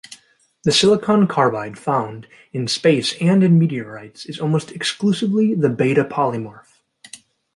The silicon carbide found in space and in meteorites is almost exclusively the beta-polymorph.